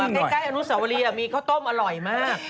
วิ่งหน่อยใกล้อนุสาวรีอะมีข้าวต้มอร่อยมาก